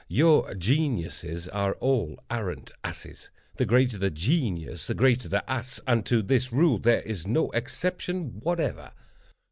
Your geniuses are all arrant asses—the greater the genius the greater the ass—and to this rule there is no exception whatever.